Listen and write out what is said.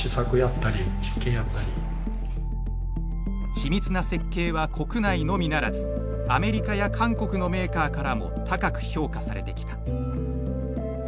緻密な設計は国内のみならずアメリカや韓国のメーカーからも高く評価されてきた。